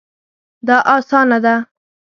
دا اسانه ده